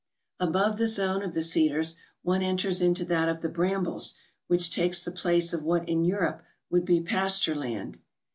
Above the zone of the cedars, one enters into that of the brambles, which takes the place of what in Europe would be pasture land.